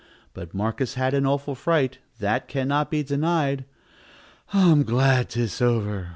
But Marcus had an awful fright, That can not be denied; "I'm glad 'tis over!"